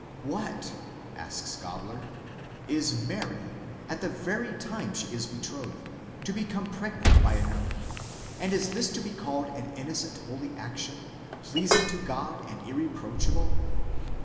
What! asks Gabler, is Mary, at the very time she is betrothed, to become pregnant by another, and is this to be called an innocent holy action, pleasing to God and irre proachable?